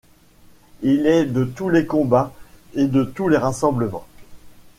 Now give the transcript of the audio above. Il est de tous les combats et de tous les rassemblements.